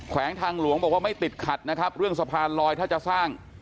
วงทางหลวงบอกว่าไม่ติดขัดนะครับเรื่องสะพานลอยถ้าจะสร้าง